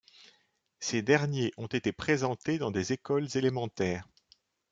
Ces derniers ont été présentés dans des écoles élémentaires.